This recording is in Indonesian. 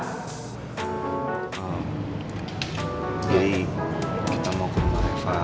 hmm jadi kita mau ke rumah reva